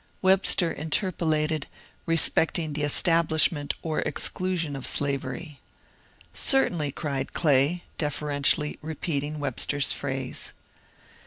Webster interpolated, ^^ respecting the establishment or exclusion of slavery." ^^ Cer tainly," cried Clay, deferentially repeating Webster's phrase.